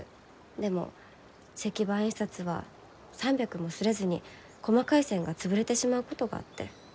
でも石版印刷は３００も刷れずに細かい線が潰れてしまうことがあって。